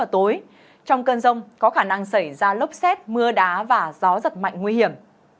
trong cơn rông có khả năng xảy ra lốc xét mưa đá và gió giật mạnh nguy hiểm